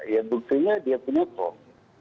ya buktinya dia punya form